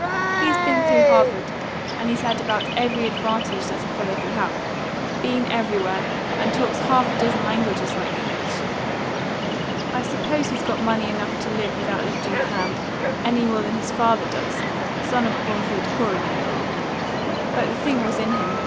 He's been through Harvard, and he's had about every advantage that a fellow could have. Been everywhere, and talks half a dozen languages like English. I suppose he's got money enough to live without lifting a hand, any more than his father does; son of Bromfield Corey, you know. But the thing was in him.